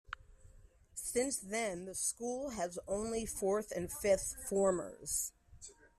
Since then, the school has only fourth and fifth formers.